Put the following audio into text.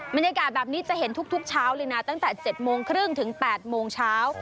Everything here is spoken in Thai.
บรรยากาศแบบนี้จะเห็นทุกเช้าเลยนะตั้งแต่๗โมงครึ่งถึง๘โมงเช้า